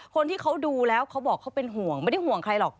คนที่เขาดูแล้วเขาบอกเขาเป็นห่วงไม่ได้ห่วงใครหรอก